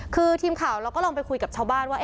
คือทีมข่าวเราก็ลองไปคุยกับชาวบ้านว่า